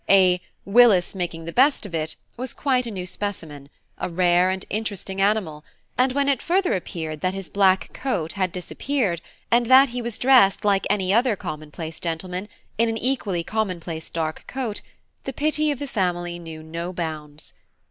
A "Willis making the best of it" was quite a new specimen, a rare and interesting animal; and when it further appeared that his black coat had disappeared, and that he was dressed like any other common place gentleman, in an equally common place dark coat, the pity of the family knew no bounds.